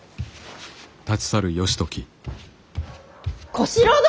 小四郎殿！